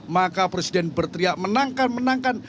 maka presiden berteriak menangkan menangkan